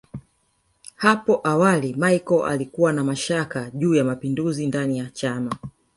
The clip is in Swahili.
Hapo awali Machel alikuwa na mashaka juu ya mapinduzi ndani ya chama